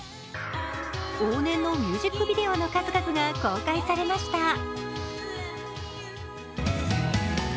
往年のミュージックビデオの数々が公開されました。